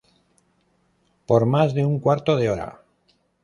Por mas de un cuarto de hora